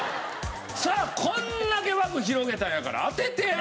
さあこれだけ枠広げたんやから当ててや！